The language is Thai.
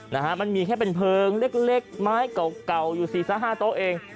นะฮะมันมีแค่เป็นเพลิงเล็กไม้เก่าอยู่สี่ซะห้าโต๊ะเอง